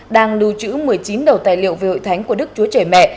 đang lưu trữ một mươi chín đầu tài liệu về hội thánh của đức chúa trời mẹ